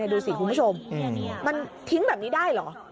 ดูสิคุณผู้ชมมันทิ้งแบบนี้ได้เหรอ